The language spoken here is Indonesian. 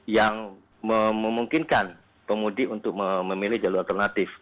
yang memungkinkan pemudik untuk memilih jalur alternatif